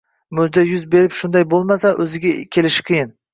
Mo`jiza yuz berib shunday bo`lmasa, o`ziga kelishi qiyin